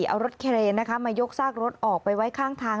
เอารถเครนนะคะมายกซากรถออกไปไว้ข้างทาง